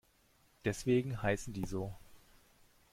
Deswegen heißen die so.